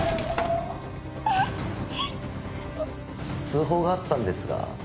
通報があったんですが。